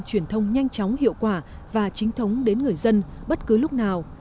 truyền thông nhanh chóng hiệu quả và chính thống đến người dân bất cứ lúc nào